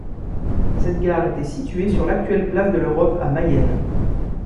Cette gare était située sur l'actuelle place de l'Europe à Mayenne.